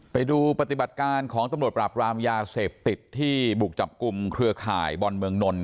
ไปดูปฏิบัติการของตำรวจปราบรามยาเสพติดที่บุกจับกลุ่มเครือข่ายบอลเมืองนนท